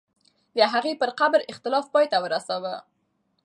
د هغې پر قبر اختلاف پای ته ورسوه.